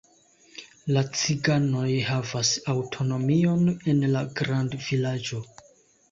La ciganoj havas aŭtonomion en la grandvilaĝo.